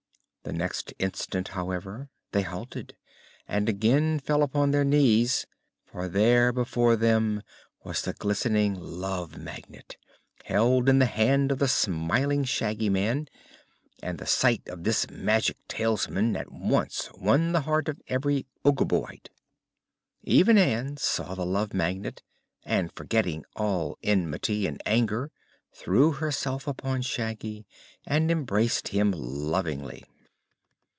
The next instant, however, they halted and again fell upon their knees; for there, before them, was the glistening Love Magnet, held in the hand of the smiling Shaggy Man, and the sight of this magic talisman at once won the heart of every Oogabooite. Even Ann saw the Love Magnet, and forgetting all enmity and anger threw herself upon Shaggy and embraced him lovingly.